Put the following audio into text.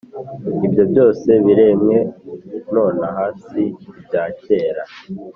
Ibyo byose biremwe nonaha si ibyakera